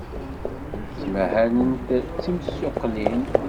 Ttmahalent d timsuqqlin.